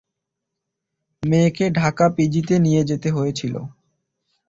মেয়েকে ঢাকা পিজিতে নিয়ে যেতে হয়েছিল।